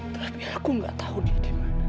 tapi aku gak tahu dia dimana